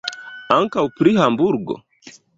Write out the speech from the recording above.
Ankaŭ pri Hamburgo?